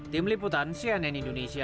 tim liputan cnn indonesia